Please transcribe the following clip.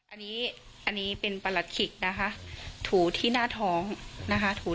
อันนี้อันนี้เป็นประหลัดขิกนะคะถูที่หน้าท้องนะคะถู